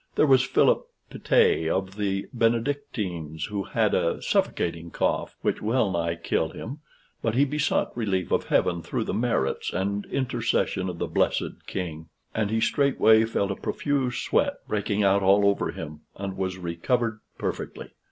There was Philip Pitet, of the Benedictines, who had a suffocating cough, which wellnigh killed him, but he besought relief of heaven through the merits and intercession of the blessed king, and he straightway felt a profuse sweat breaking out all over him, and was recovered perfectly.